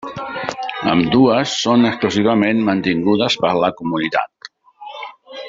Ambdues són exclusivament mantingudes per la comunitat.